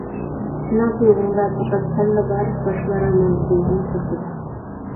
سېنىڭ تۇيغۇڭدا پەقەت سەنلا بار، باشقىلار ھامان تۇيغۇڭ سىرتىدا!